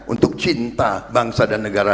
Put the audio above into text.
untuk cinta bangsa dan negara